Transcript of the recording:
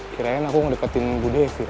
kirain aku ngedeketin bu devi